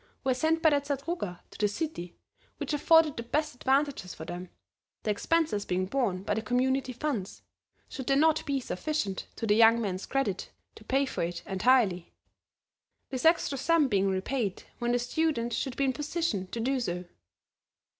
were sent by the Zadruga to the city which afforded the best advantages for them, the expenses being borne by the Community funds, should there not be sufficient to the young men's credit to pay for it, entirely; this extra sum being repaid when the students should be in position to do so.